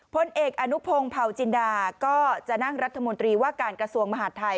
พลเอกอนุพงศ์เผาจินดาก็จะนั่งรัฐมนตรีว่าการกระทรวงมหาดไทย